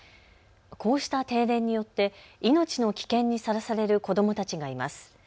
こうした停電によって命の危険にさらされる子どもたちがいます。